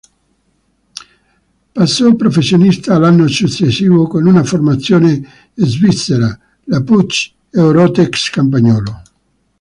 Passò professionista l'anno successivo con una formazione svizzera, la Puch-Eorotex-Campagnolo.